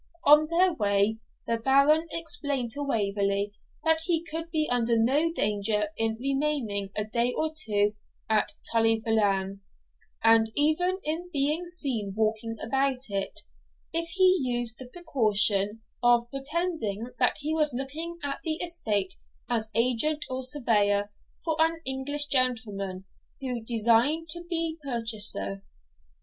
On their way the Baron explained to Waverley that he would be under no danger in remaining a day or two at Tully Veolan, and even in being seen walking about, if he used the precaution of pretending that he was looking at the estate as agent or surveyor for an English gentleman who designed to be purchaser.